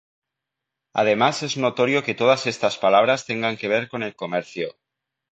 Además es notorio que todas estas palabras tengan que ver con el comercio.